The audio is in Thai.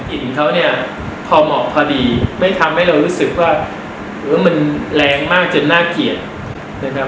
หินเขาเนี่ยพอเหมาะพอดีไม่ทำให้เรารู้สึกว่าเออมันแรงมากจนน่าเกลียดนะครับ